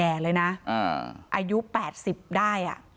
ประมาณ๘๐ได้